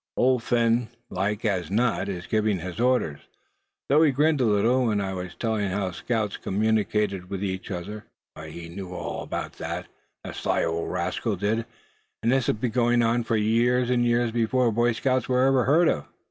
"Old Phin like as not, is giving his orders. Thought he grinned a little when I was telling how scouts communicated with each other. He knew all about that, the sly old rascal did; and this has been going on for years and years before Boy Scouts were ever heard of."